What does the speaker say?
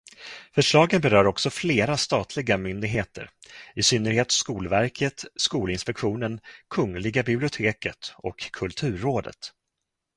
Förslagen berör också flera statliga myndigheter, i synnerhet Skolverket, Skolinspektionen, Kungliga biblioteket och Kulturrådet.